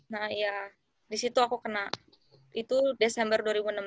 nah ya disitu aku kena itu desember dua ribu enam belas